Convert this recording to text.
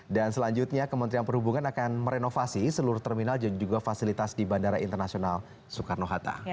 dan selanjutnya kementerian perhubungan akan merenovasi seluruh terminal dan juga fasilitas di bandara internasional soekarno hatta